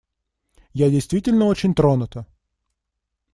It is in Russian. Я действительно очень тронута.